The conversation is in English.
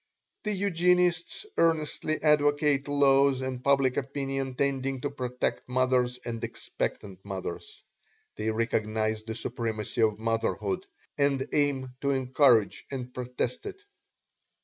The Eugenists earnestly advocate laws and public opinion tending to protect mothers and expectant mothers. They recognize the supremacy of motherhood, and aim to encourage and protect it.